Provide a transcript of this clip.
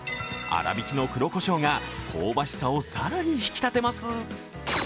荒挽きの黒こしょうが香ばしさを更に引き立てます。